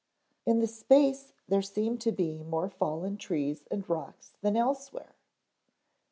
In the space there seemed to be more fallen trees and rocks than elsewhere.